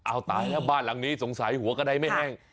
เอาตายแล้วบ้านหลังนี้สงสัยหัวกระดายไม่แห้ง